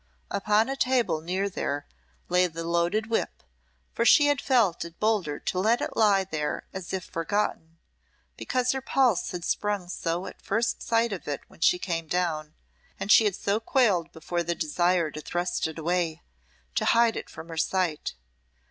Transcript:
Upon a table near there lay the loaded whip; for she had felt it bolder to let it lie there as if forgotten, because her pulse had sprung so at first sight of it when she came down, and she had so quailed before the desire to thrust it away, to hide it from her sight.